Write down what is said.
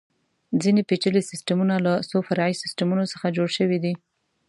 ځینې پېچلي سیسټمونه له څو فرعي سیسټمونو څخه جوړ شوي دي.